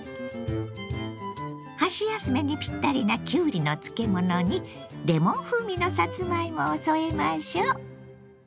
箸休めにぴったりなきゅうりの漬物にレモン風味のさつまいもを添えましょう。